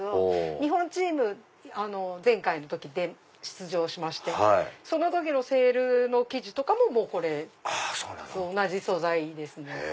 日本チーム前回の時出場しましてその時のセールの生地とかもこれと同じ素材ですね。